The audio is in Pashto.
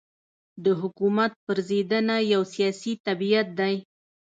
د حکومت پرځېدنه یو سیاسي طبیعت دی.